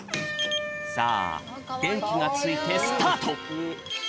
さあでんきがついてスタート！